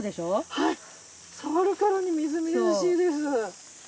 はい触るからにみずみずしいです。